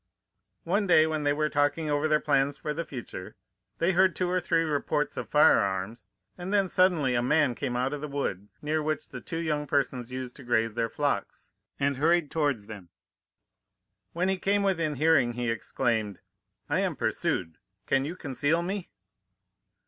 One day when they were talking over their plans for the future, they heard two or three reports of firearms, and then suddenly a man came out of the wood, near which the two young persons used to graze their flocks, and hurried towards them. When he came within hearing, he exclaimed: 'I am pursued; can you conceal me?